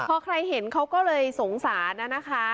พอใครเห็นเขาก็เลยสงสารนะคะ